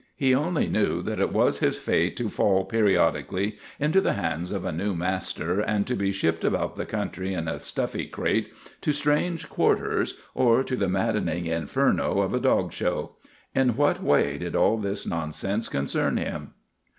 He only knew that it was his fate to fall periodically into the hands of a new master and to be shipped about the country in a stuffy crate to strange quarters or to the maddening inferno of a dog show. In what way did all this nonsense con cern him?